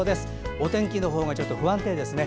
お天気のほうが不安定ですね。